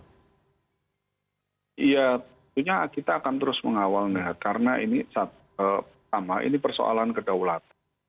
ya tentunya kita akan terus mengawal karena ini pertama ini persoalan kedaulatan